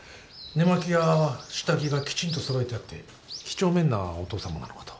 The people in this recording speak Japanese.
寝間着や下着がきちんと揃えてあってきちょうめんなお父さまなのかと。